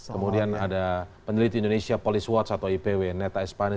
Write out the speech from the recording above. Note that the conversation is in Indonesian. kemudian ada peneliti indonesia police watch atau ipw neta espane